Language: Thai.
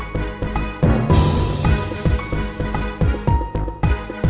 ติดตามต่อไป